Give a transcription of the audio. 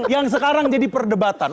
yang sekarang jadi perdebatan